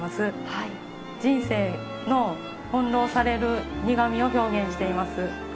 人生の翻弄される苦みを表現しています。